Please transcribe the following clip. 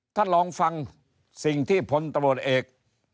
ท่านลองฟังสิ่งที่พลตำรวจเอก